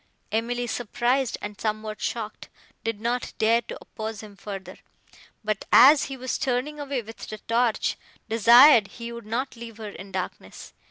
Emily, surprised and somewhat shocked, did not dare to oppose him further, but, as he was turning away with the torch, desired he would not leave her in darkness.